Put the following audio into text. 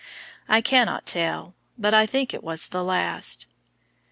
I cannot tell, but I think it was the last.